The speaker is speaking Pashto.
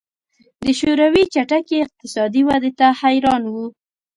د شوروي چټکې اقتصادي ودې ته حیران وو